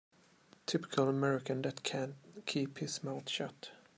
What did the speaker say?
Typical American that can keep his mouth shut.